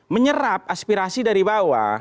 menyerap aspirasi dari bawah